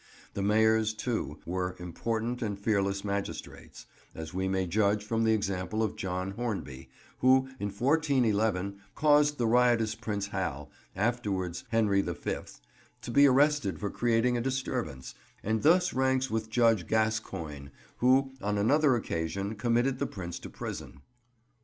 The mayors, too, were important and fearless magistrates, as we may judge from the example of John Horneby, who in 1411 caused the riotous Prince Hal, afterwards Henry the Fifth, to be arrested for creating a disturbance, and thus ranks with Judge Gascoyne, who on another occasion committed the Prince to prison.